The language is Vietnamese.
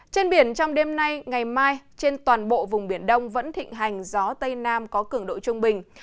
trên biển trong đêm nay ngày mai trên toàn bộ vùng biển đông vẫn thịnh hành gió tây nam có cường độ trung bình